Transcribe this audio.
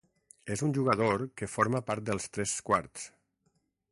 És un jugador que forma part dels tres quarts.